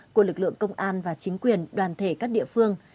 của lực lượng công an và chính quyền đoàn thể các địa phương